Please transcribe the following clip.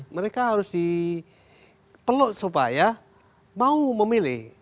mereka harus dipeluk supaya mau memilih